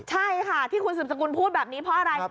ใช่ค่ะที่คุณสืบสกุลพูดแบบนี้เพราะอะไร